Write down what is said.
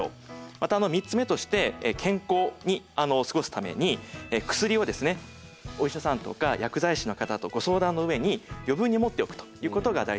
また３つ目として健康に過ごすために薬をお医者さんとか薬剤師の方とご相談の上に余分に持っておくということが大事です。